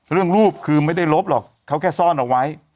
รูปคือไม่ได้ลบหรอกเขาแค่ซ่อนเอาไว้